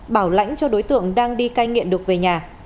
bảo lãnh cho đối tượng đang đi cai nghiện được về nhà